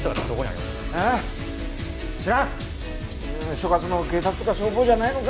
所轄の警察とか消防じゃないのか？